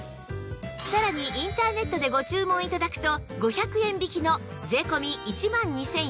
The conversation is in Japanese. さらにインターネットでご注文頂くと５００円引きの税込１万２４８０円